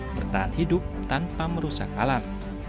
bertahan hidup tanpa merusak alam